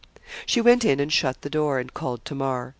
She went in and shut the door, and called Tamar.